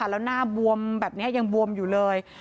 แล้วหน้าบวมแบบนี้ยังบวมอยู่เลย